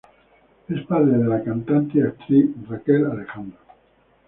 Es padre de la cantante y actriz Rachel Alejandro.